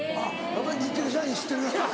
やっぱり日テレの社員知ってるな。